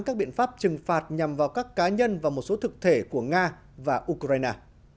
các biện pháp trừng phạt nhằm vào các cá nhân và một số thực thể của nga và ukraine